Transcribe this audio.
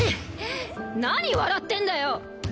何笑ってんだよ！